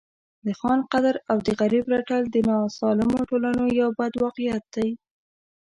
د خان قدر او د غریب رټل د ناسالمو ټولنو یو بد واقعیت دی.